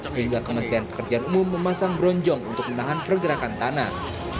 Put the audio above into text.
sehingga kementerian pekerjaan umum memasang bronjong untuk menahan pergerakan tanah